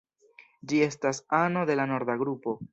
Ĝi estas ano de la norda grupo.